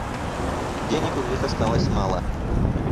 Денег у них осталось мало.